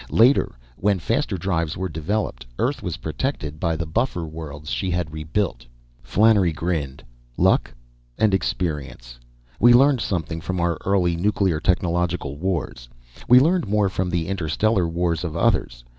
Later, when faster drives were developed, Earth was protected by the buffer worlds she had rebuilt. Flannery grinned. "Luck and experience. We learned something from our early nuclear technological wars. We learned more from the interstellar wars of others.